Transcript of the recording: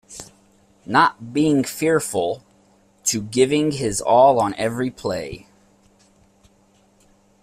Not being fearful, to giving his all on every play.